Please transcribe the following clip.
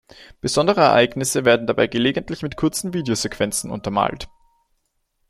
Besondere Ereignisse werden dabei gelegentlich mit kurzen Videosequenzen untermalt.